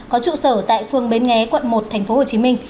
có trụ sở tại phường bến nghé quận một tp hcm